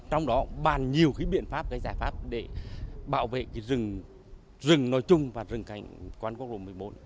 trong đó bàn nhiều cái biện pháp cái giải pháp để bảo vệ cái rừng rừng nói chung và rừng cảnh quan quốc lộ một mươi bốn